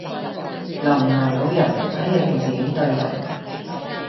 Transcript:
留唔留到人，睇你平時點對人